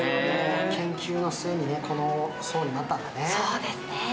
研究の末に、この層になったんだね。